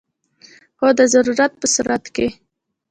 هو، د ضرورت په صورت کې